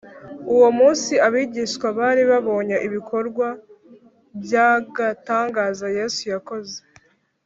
uwo munsi abigishwa bari babonye ibikorwa by’agatangaza yesu yakoze